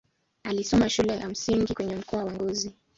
Alisoma shule ya msingi kwenye mkoa wa Ngozi.